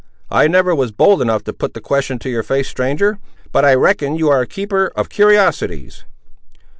I never was bold enough to put the question to your face, stranger, but I reckon you are a keeper of curiosities?"